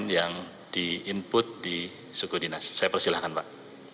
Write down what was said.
yang di input di suku dinas saya persilahkan pak